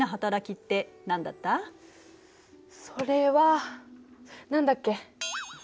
それは何だっけ？